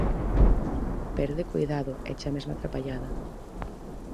Perde coidado, éche a mesma trapallada.